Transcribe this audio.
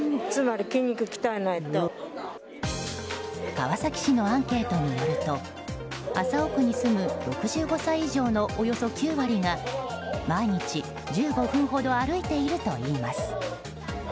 川崎市のアンケートによると麻生区に住む６５歳以上のおよそ９割が毎日１５分ほど歩いているといいます。